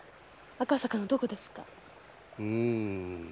赤坂のどこですか？